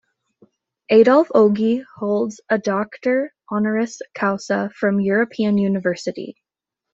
Adolf Ogi holds a Doctor Honoris Causa from European University.